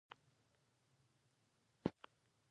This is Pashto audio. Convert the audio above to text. صفت او د صفت ډولونه هم ولوستل.